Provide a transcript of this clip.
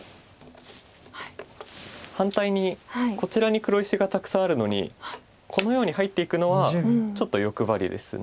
反対にこちらに黒石がたくさんあるのにこのように入っていくのはちょっと欲張りです。